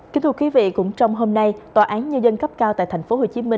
kính thưa quý vị cũng trong hôm nay tòa án nhân dân cấp cao tại tp hcm